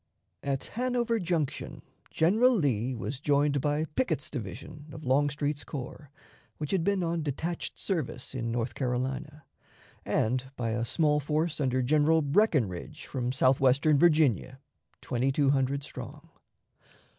At Hanover Junction General Lee was joined by Pickett's division of Longstreet's corps, which had been on detached service in North Carolina, and by a small force under General Breckinridge from southwestern Virginia, twenty two hundred strong.